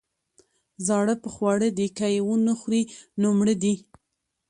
ـ زاړه په خواړه دي، که يې ونخوري نو مړه دي.